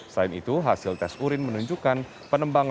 selain itu hasil tes urin menunjukkan penembang